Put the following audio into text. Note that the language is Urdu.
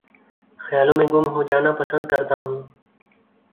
خیالوں میں گم ہو جانا پسند کرتا ہوں